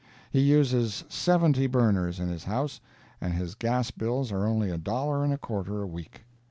He uses seventy burners in his house, and his gas bills are only a dollar and a quarter a week.